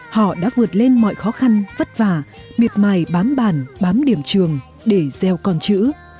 họ đã vượt lên mọi khó khăn vất vả miệt mài bám bàn bám điểm trường để gieo con chữ